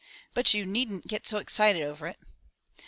"But you needn't get so excited over it."